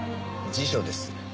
辞書です。